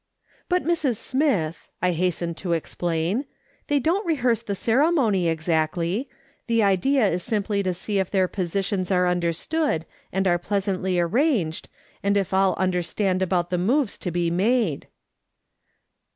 " But, Mrs. Smith," I hastened to explain, " they don't rehearse the ceremony exactly : the idea is simply to see if their positions are understood, and are pleasantly arranged, and if all understand about the moves to be made."